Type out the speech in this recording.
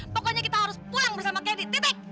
pokoknya kita harus pulang bersama kendi